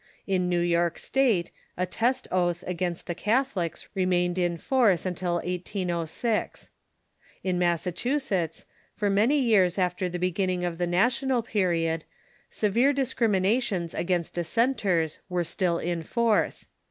In New York State a test oath against the Catholics remained in force till 1806. In Massachusetts, for many years after the beginning of the National Period, se vere discriminations against dissenters were still in force.